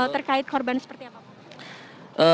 terkait korban seperti apa